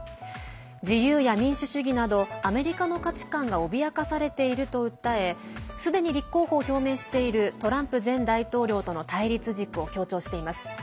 自由や民主主義などアメリカの価値観が脅かされていると訴えすでに立候補を表明しているトランプ前大統領との対立軸を強調しています。